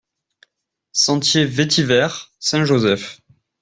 Sentier Vetiver, Saint-Joseph